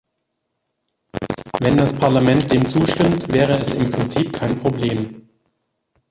Wenn das Parlament dem zustimmt, wäre es im Prinzip kein Problem.